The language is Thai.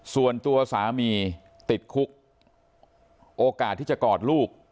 ส่วนตัวสามีติดคุกโอกาสที่จะกอดลูก